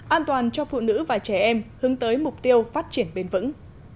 an toàn cho phụ nữ và trẻ em hướng tới mục tiêu phát triển bền vững